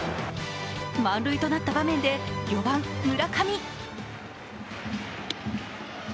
満塁となった場面で４番・村上。